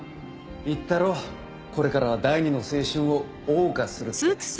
言ったろこれからは第二の青春を謳歌えっ